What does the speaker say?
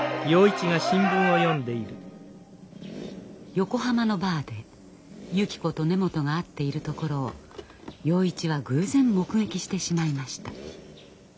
横浜のバーでゆき子と根本が会っているところを洋一は偶然目撃してしまいました。